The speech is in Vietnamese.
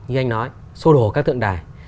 như anh nói sô đổ các tượng đài